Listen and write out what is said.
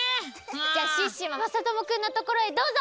じゃあシュッシュはまさともくんのところへどうぞ！